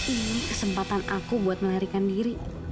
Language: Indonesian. ini kesempatan aku buat melarikan diri